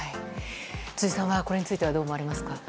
辻さんは、これについてはどう思われますか？